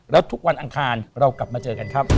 แล้วทุกวันอังคารเรากลับมาเจอกันครับ